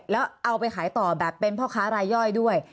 แล้วเอาไปขายต่อแบบเป็นพ่อค้ารายย่อยด้วย